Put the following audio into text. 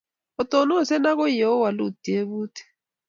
Otononse akoy ye owolu tyebutik.